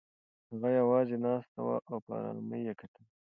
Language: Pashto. هغه یوازې ناسته وه او په ارامۍ یې کتل.